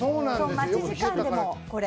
待ち時間にこれ。